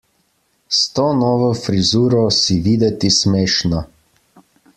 S to novo frizuro si videti smešna.